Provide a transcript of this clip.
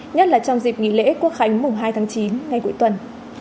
nhất là trong dịp nghỉ lễ quốc khánh mùng hai tháng chín ngay cuối tuần